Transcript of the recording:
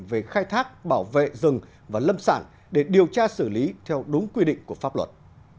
về khai thác bảo vệ rừng và lâm sản để điều tra xử lý theo đúng quy định của pháp luật